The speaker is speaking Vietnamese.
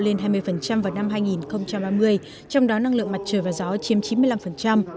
lên hai mươi vào năm hai nghìn ba mươi trong đó năng lượng mặt trời và gió chiếm chín mươi năm